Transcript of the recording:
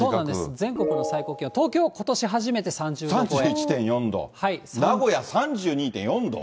全国の最高気温、東京はことし初めて３０度超３１．４度。